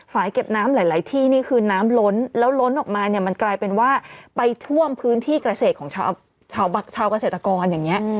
เก็บน้ำหลายที่นี่คือน้ำล้นแล้วล้นออกมาเนี่ยมันกลายเป็นว่าไปท่วมพื้นที่เกษตรของชาวเกษตรกรอย่างนี้